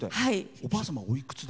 おばあ様は、おいくつで？